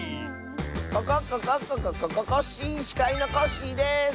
ココッココッコココココッシー！しかいのコッシーです！